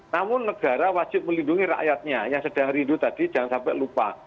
namun negara wajib melindungi rakyatnya yang sedang rindu tadi jangan sampai lupa